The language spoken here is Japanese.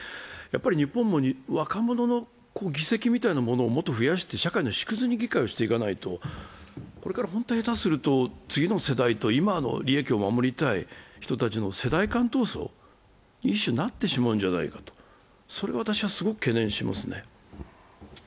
日本も若者の議席みたいなものをもっと増やして社会の縮図にしていかないとこれから本当に下手すると、次の世代と今の利益を守りたい人たちの世代間闘争になってしまうのではないかとそれを私、すごく懸念しますね。